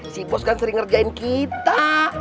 si bos kan sering ngerjain kita